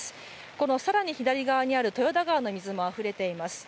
このさらに左側にある豊田川の水もあふれています。